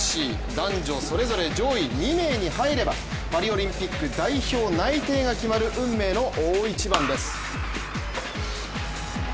男女それぞれ上位２名に入ればパリオリンピック代表内定が決まる運命の大一番です。